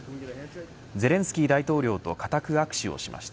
ゼレンスキー大統領と固く握手をしました。